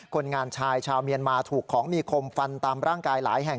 คนงานชายชาวเมียนมาถูกของมีคมฟันตามร่างกายหลายแห่ง